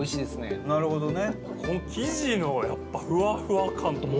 伊達：なるほどね。